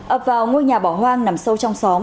ập vào ngôi nhà bỏ hoang nằm sâu trong xóm